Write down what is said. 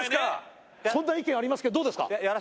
そんな意見ありますけどどうですか？